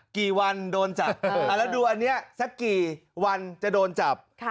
กี่วันโดนจับเออเออแล้วดูอันเนี้ยสักกี่วันจะโดนจับค่ะ